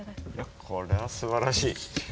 これはすばらしい！